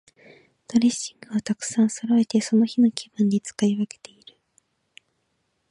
ドレッシングをたくさんそろえて、その日の気分で使い分けている。